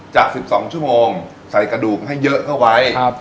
จาก๑๒ชั่วโมงใส่กระดูกให้เยอะเข้าไว้